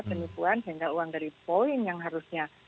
penipuan sehingga uang dari poin yang harusnya